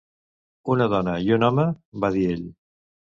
"Una dona i un home", va dir ell.